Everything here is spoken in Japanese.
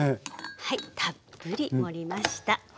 はいたっぷり盛りました。